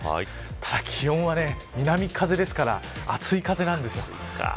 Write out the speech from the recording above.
ただ、気温は南風ですから熱い風です。